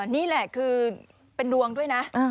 นี่แหละคือเป็นดวงด้วยนะ